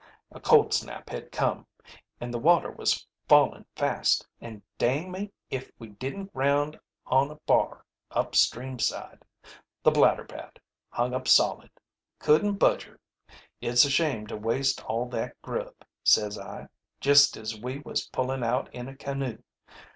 A cold snap had come, an' the water was fallin' fast, an' dang me if we didn't ground on a bar up stream side. The Blatterbat hung up solid. Couldn't budge her. 'It's a shame to waste all that grub,' says I, just as we was pullin' out in a canoe.